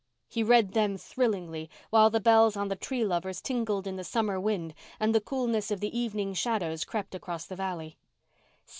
He read them thrillingly, while the bells on the Tree Lovers tinkled in the summer wind and the coolness of the evening shadows crept across the valley.